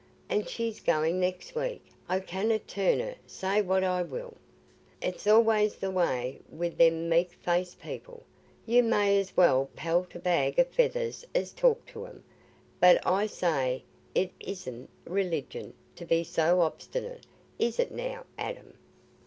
And she's going next week. I canna turn her, say what I will. It's allays the way wi' them meek faced people; you may's well pelt a bag o' feathers as talk to 'em. But I say it isna religion, to be so obstinate—is it now, Adam?"